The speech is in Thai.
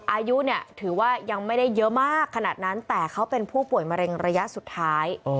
อายุเนี่ยถือว่ายังไม่ได้เยอะมากขนาดนั้นแต่เขาเป็นผู้ป่วยมะเร็งระยะสุดท้าย